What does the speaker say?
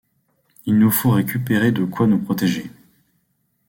Il nous faut récupérer de quoi nous protéger.